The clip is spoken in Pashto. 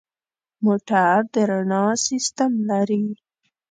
موټر د رڼا سیستم لري.